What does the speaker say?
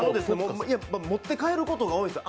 持って帰ることが多いんです